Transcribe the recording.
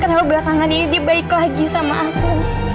karena dia belakangan ini dia baik lagi sama aku